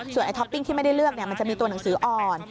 ไอ้ท็อปปิ้งที่ไม่ได้เลือกมันจะมีตัวหนังสืออ่อน